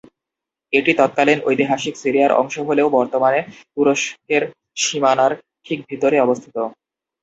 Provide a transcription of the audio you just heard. এটি তৎকালীন ঐতিহাসিক সিরিয়ার অংশ হলেও বর্তমান তুরস্কের সীমানার ঠিক ভিতরে অবস্থিত।